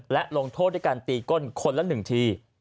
และลงโทษด้วยการตีก้นคนละ๑ที